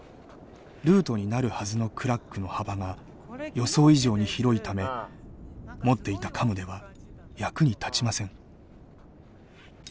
ルートになるはずのクラックの幅が予想以上に広いため持っていたカムでは役に立ちません。